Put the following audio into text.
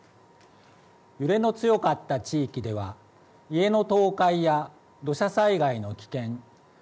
揺れの強かった地域では家の倒壊や土砂災害の危険